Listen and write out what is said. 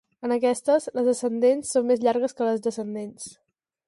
En aquestes, les ascendents són més llargues que les descendents.